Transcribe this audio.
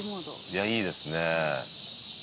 いやいいですね。